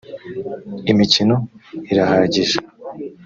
imikino irahagije.